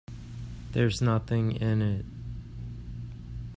There's nothing in it.